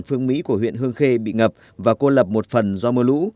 phương mỹ của huyện hương khê bị ngập và cô lập một phần do mưa lũ